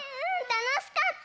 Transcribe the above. たのしかった！